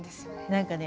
何かね